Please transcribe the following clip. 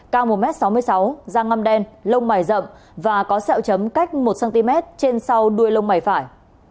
cao một m sáu mươi sáu da ngăm đen lông mảy rậm và có sẹo chấm cách một cm trên sau đuôi lông mảy phải